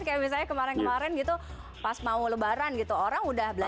kayak misalnya kemarin kemarin gitu pas mau lebaran gitu orang udah belanja